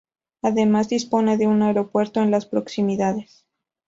Además dispone de un aeropuerto en las proximidades.